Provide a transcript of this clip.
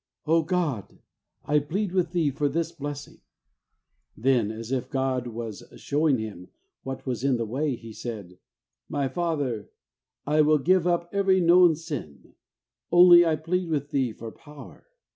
"O God, I plead with Thee for this bless ing!" Then, as if God was showing him what was in the way, he said, " My Father, I will give up every known sin, only I plead with Thee for power."